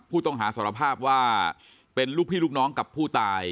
ผู้ต้องหาสารภาพว่าเป็นลูกพี่ลูกน้องกับผู้ตาย